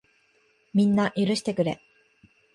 みんな、許してくれ。